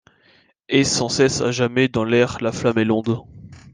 Et, sans cesse, à jamais, dans l’air, la flamme et l’onde